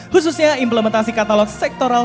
khususnya implementasi katalog sektoral